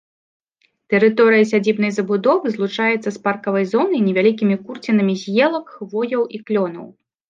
Тэрыторыя сядзібнай забудовы злучаецца з паркавай зонай невялікімі курцінамі з елак, хвояў і клёнаў.